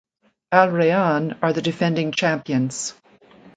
Al Rayyan are the defending champions.